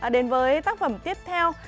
đến với tác phẩm tiếp theo